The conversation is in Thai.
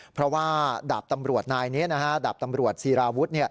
เพราะว่าดาบตำรวจนายนี้นะฮะดาบตำรวจศิราวุฒิ